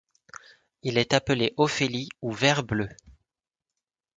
Il est appelé ophélie ou ver bleu.